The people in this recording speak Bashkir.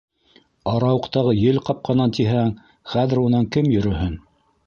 Арауыҡтағы ел ҡапҡанан тиһәң, хәҙер унан кем йөрөһөн?